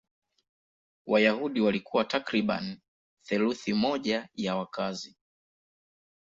Wayahudi walikuwa takriban theluthi moja ya wakazi.